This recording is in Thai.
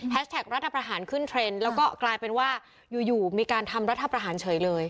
แท็กรัฐประหารขึ้นเทรนด์แล้วก็กลายเป็นว่าอยู่มีการทำรัฐประหารเฉยเลย